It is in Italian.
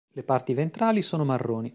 Le parti ventrali sono marroni.